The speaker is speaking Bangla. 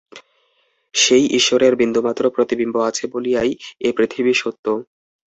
সেই ঈশ্বরের বিন্দুমাত্র প্রতিবিম্ব আছে বলিয়াই এ পৃথিবী সত্য।